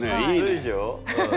いいでしょ？